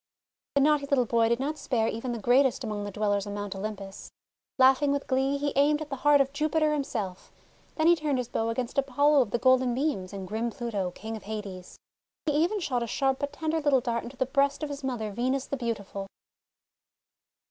The naughty little boy did not spare even the greatest among the Dwellers on Mount Olympus. Laughing with glee, he aimed at the heart of Jupiter himself; then he turned his bow against Apollo of the Golden Beams and grim Pluto, King of Hades. He even shot a sharp but tender little dart into the breast of his mother Venus the Beautiful.